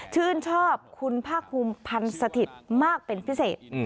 ชื่นชอบคุณภาคภูมิพันธ์สถิตย์มากเป็นพิเศษ